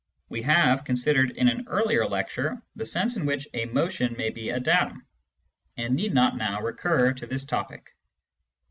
We have considered in an earlier lecture the sense in which a motion may be a datum, and need not now recur to this topic.